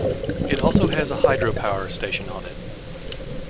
It also has a hydropower station on it.